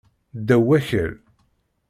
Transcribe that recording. Ddaw wakal.